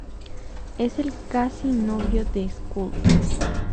Es el casi-novio de Skuld.